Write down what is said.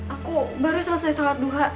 aku baru selesai sholat duha